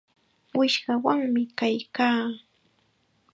Wishqawanmi kaykaa.